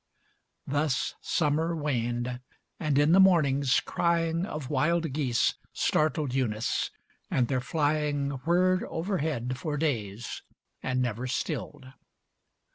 Thus Summer waned, and in the mornings, crying Of wild geese startled Eunice, and their flying Whirred overhead for days and never stilled.